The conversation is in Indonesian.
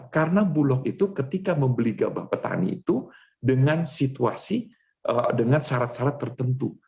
karena bulog itu ketika membeli gabah petani itu dengan situasi dengan syarat syarat tertentu